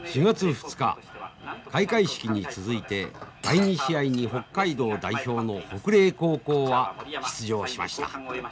４月２日開会式に続いて第２試合に北海道代表の北嶺高校は出場しました。